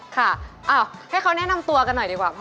ค่ะให้เขาแนะนำตัวกันหน่อยดีกว่า